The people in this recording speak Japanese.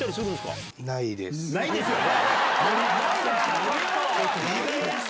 ないですよね。